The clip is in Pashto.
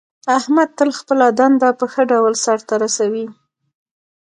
احمد تل خپله دنده په ښه ډول سرته رسوي.